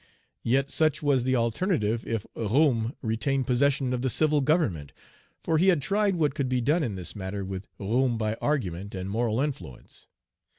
Yet such was the alternative if Roume retained possession of the civil government; for he had tried what could be done in this matter with Roume by argument and moral influence.